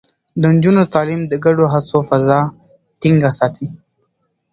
د نجونو تعليم د ګډو هڅو فضا ټينګه ساتي.